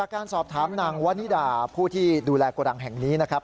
การวัดนิดาพูดที่ดูแลกวดังแห่งนี้นะครับ